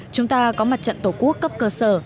chúng ta có mặt trận tổ quốc cấp cơ sở